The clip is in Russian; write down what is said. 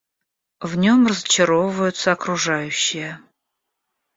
В нем разочаровываются окружающие.